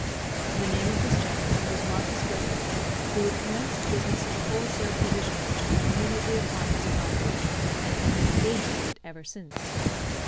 The name of this gentleman was Marcus Weatherley, who had commenced business as a wholesale provision merchant immediately upon his arrival, and had been engaged in it ever since.